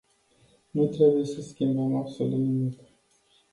Nu trebuie să schimbăm absolut nimic.